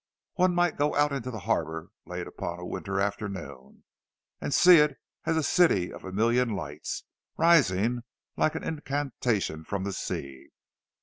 Or one might go out into the harbour late upon a winter afternoon, and see it as a city of a million lights, rising like an incantation from the sea.